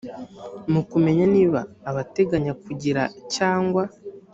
mu kumenya niba abateganya kugira cyangwa